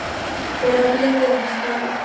Pero habría que demostrarlo.